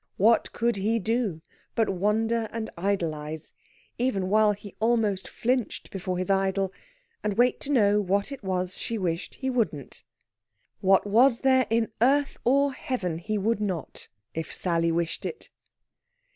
What could he do but wonder and idolize, even while he almost flinched before his idol; and wait to know what it was she wished he wouldn't? What was there in earth or heaven he would not, if Sally wished it?